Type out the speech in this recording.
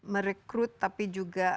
merekrut tapi juga